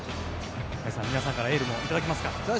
中居さん、皆さんからエールをいただきますか。